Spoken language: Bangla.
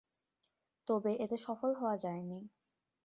তবে এতে সফল হওয়া যায়নি।